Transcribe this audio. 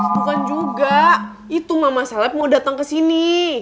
bukan juga itu mama seleb mau datang kesini